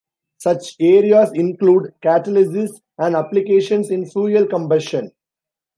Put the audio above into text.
Such areas include catalysis and applications in fuel combustion.